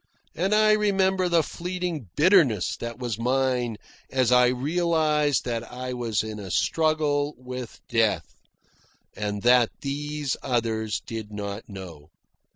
And I remember the fleeting bitterness that was mine as I realised that I was in a struggle with death, and that these others did not know.